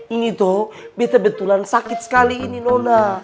ini tuh betul betulan sakit sekali ini nona